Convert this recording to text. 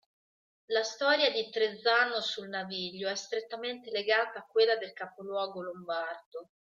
La storia di Trezzano sul Naviglio è strettamente legata a quella del capoluogo lombardo.